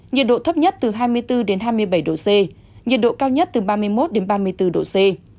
nhiệt độ thấp nhất từ hai mươi bốn đến hai mươi bảy độ c nhiệt độ cao nhất từ ba mươi một đến ba mươi bốn độ c